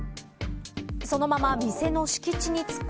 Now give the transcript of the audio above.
そのまま店の敷地に突っ込。